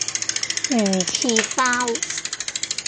魚翅包